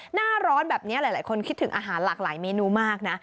หน้าร้อนแบบนี้หลายคนคิดถึงอาหารหลากหลายเมนูมากนะ